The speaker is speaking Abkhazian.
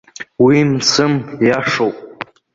Уи мцым, иашоуп!